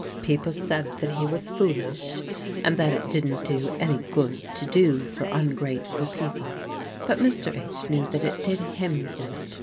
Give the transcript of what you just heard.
People said that he was foolish, and that it didn't do any good to do for ungrateful people; but Mr. H. knew that it did him good.